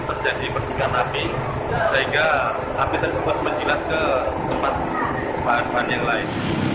terjadi percukaan api sehingga api tersebut menjilat ke tempat paham paham yang lain